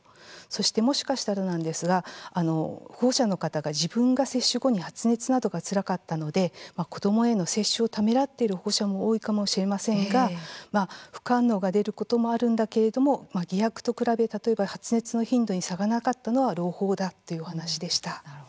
そしてもしかしたらなんですが保護者の方が自分が接種後に発熱などがつらかったので子どもへの接種をためらっている保護者も多いかもしれませんが副反応が出ることもあるんだけれども偽薬と比べ、例えば発熱の頻度に差がなかったのは朗報だというお話でした。